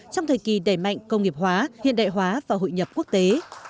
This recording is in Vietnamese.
trong thời kỳ đẩy mạnh công nghiệp hóa hiện đại hóa và hội nhập quốc tế